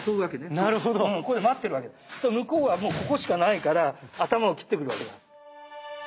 すると向こうはもうここしかないから頭を斬ってくるわけだ。